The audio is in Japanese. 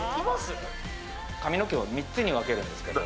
髪の毛を３つに分けるんですけど